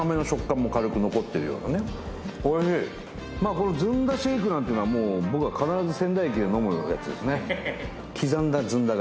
このずんだシェイクなんてのはもう僕が必ず仙台駅で飲むやつですね